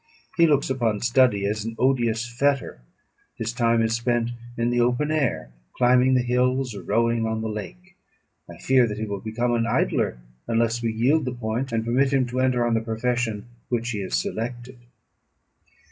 He looks upon study as an odious fetter; his time is spent in the open air, climbing the hills or rowing on the lake. I fear that he will become an idler, unless we yield the point, and permit him to enter on the profession which he has selected.